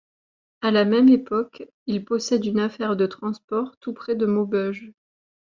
A la même époque, il possède une affaire de transport tout près de Maubeuge.